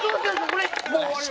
これ。